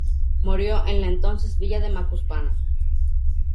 Murió en la entonces villa de Macuspana.